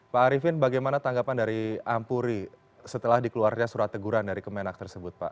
pak arifin bagaimana tanggapan dari ampuri setelah dikeluarkan surat teguran dari kemenak tersebut pak